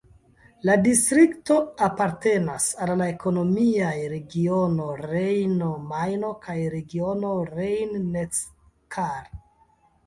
La distrikto apartenas al la ekonomiaj regiono Rejno-Majno kaj regiono Rhein-Neckar.